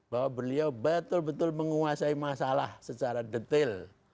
bahwa beliau betul betul menguasai masalah secara detail